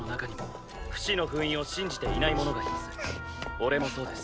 俺もそうです。